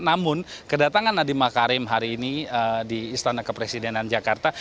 namun kedatangan nadiem makarim hari ini di istana kepresidenan jakarta